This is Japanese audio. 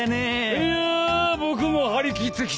いや僕も張り切ってきたよ。